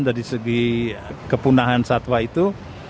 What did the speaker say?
dari segi kepunahan satwa itu